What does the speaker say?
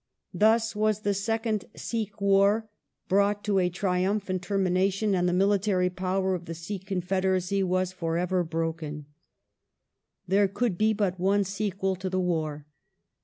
Thus was the second Sikh War brought to a triumphant termination, and the military power of the Sikh confederacy was for ever broken. There could be but one sequel to the war.